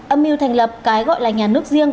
âm mưu thành lập cái gọi là nhà nước riêng